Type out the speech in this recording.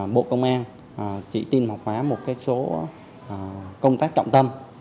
bộ công an chỉ tin học hóa một số công tác trọng tâm